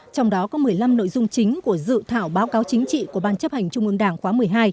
trong đó có một mươi năm nội dung chính của dự thảo báo cáo chính trị của ban chấp hành trung ương đảng khóa một mươi hai